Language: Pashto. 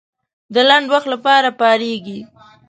د لنډ وخت لپاره پارېږي.